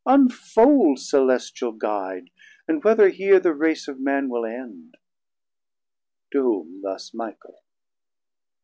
unfould, Celestial Guide, And whether here the Race of man will end. To whom thus Michael.